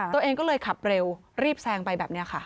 ตัวเองก็เลยขับเร็วรีบแซงไปแบบนี้ค่ะ